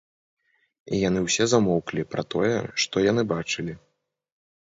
І яны ўсе замоўклі пра тое, што яны бачылі.